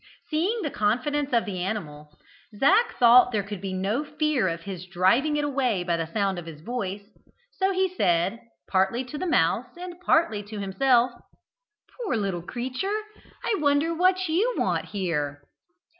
Seeing the confidence of the animal, Zac thought there could be no fear of his driving it away by the sound of his voice, so he said, partly to the mouse and partly to himself: "Poor little creature, I wonder what you want here?"